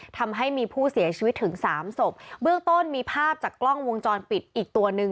ทำให้มีผู้เสียชีวิตถึงสามศพเบื้องต้นมีภาพจากกล้องวงจรปิดอีกตัวหนึ่ง